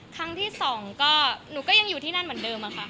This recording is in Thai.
ครั้งที่สองก็หนูก็ยังอยู่ที่นั่นเหมือนเดิมค่ะ